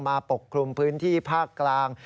ปกคลุมพื้นที่ภาคกลาง